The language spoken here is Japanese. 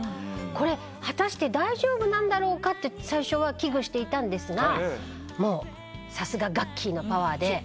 これ果たして大丈夫だろうかって最初は危惧していたんですがもうさすがガッキーのパワーで。